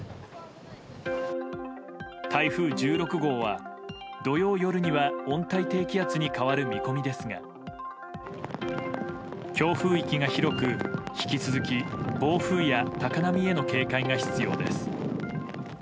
台風１６号は、土曜夜には温帯低気圧に変わる見込みですが強風域が広く、引き続き暴風や高波への警戒が必要です。